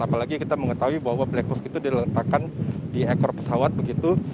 apalagi kita mengetahui bahwa black box itu diletakkan di ekor pesawat begitu